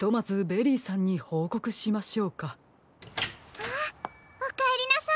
あっおかえりなさい。